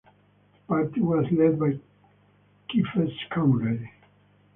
The party was led by Kephes Conradie.